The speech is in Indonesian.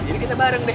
jadi kita bareng deh